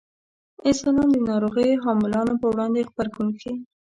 انسانان د ناروغیو حاملانو په وړاندې غبرګون ښيي.